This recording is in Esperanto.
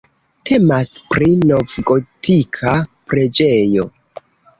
Temas pri novgotika preĝejo.